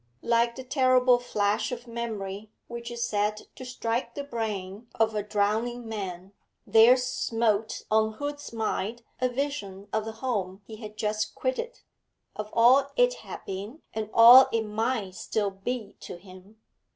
Like the terrible flash of memory which is said to strike the brain of a drowning man, there smote on Hood's mind a vision of the home he had just quitted, of all it had been and all it might still be to him.